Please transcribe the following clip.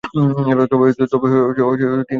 তবে তিনি তেমন সফলতা পাননি।